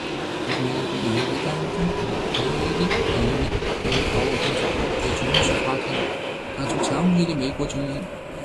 他是美国南北战争后唯一的一名因为逃兵罪而被军事法庭判处枪决的美国军人。